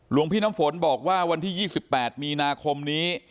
หลวงพี่น้ำฝนบอกว่าวันที่๒๘มีนาคมนี้